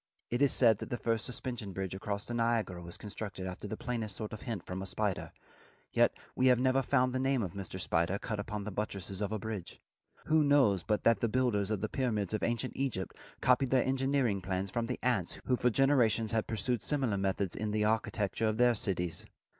It is said that the first suspension bridge across the Niagara was constructed after the plainest sort of hint from a spider. Yet we have never found the name of Mr. Spider cut upon the buttresses of a bridge. Who knows but that the builders of the pyramids of ancient Egypt copied their engineering plans from the ants who for generations had pursued similar methods in the architecture of their cities?